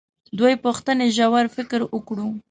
دوې پوښتنې ژور فکر وکړو.